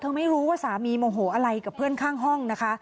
ไม่รู้ว่าสามีโมโหอะไรกับเพื่อนข้างห้องนะคะ